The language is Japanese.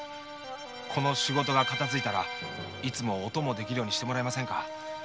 この仕事が片づいたらいつもお供できるようにしてもらえませんか。